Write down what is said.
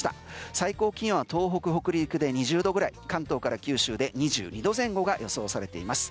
最高気温は東北北陸で２０度ぐらい関東から九州で２２度前後が予想されています。